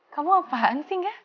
kamu apaan sih gak